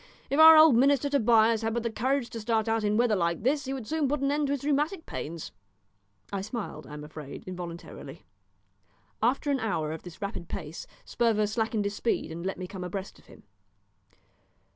If our old minister Tobias had but the courage to start out in weather like this he would soon put an end to his rheumatic pains." I smiled, I am afraid, involuntarily. After an hour of this rapid pace Sperver slackened his speed and let me come abreast of him.